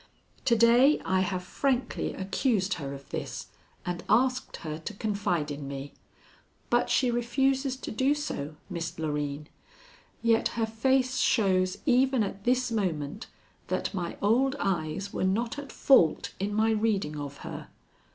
To day I have frankly accused her of this, and asked her to confide in me. But she refuses to do so, Miss Loreen. Yet her face shows even at this moment that my old eyes were not at fault in my reading of her.